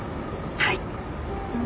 はい。